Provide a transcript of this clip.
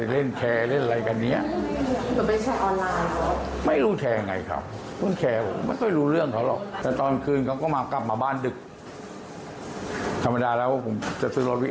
เล่าด้วยว่าที่จำได้เรื่องลูกสาวเล่นแชร์